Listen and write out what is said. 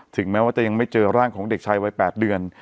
ถึงแม้ว่าจะยังไม่เจอร่างของเด็กชายวัย๘เดือน